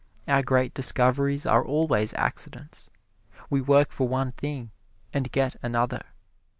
Our great discoveries are always accidents: we work for one thing and get another.